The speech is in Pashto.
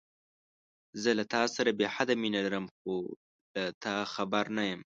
زه له تاسره بې حده مينه لرم، خو له تا خبر نه يم.